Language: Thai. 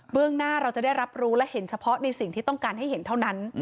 เรื่องหน้าเราจะได้รับรู้และเห็นเฉพาะในสิ่งที่ต้องการให้เห็นเท่านั้น